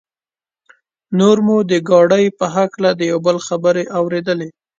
نور مو د ګاډي په هکله یو د بل خبرې اورېدلې.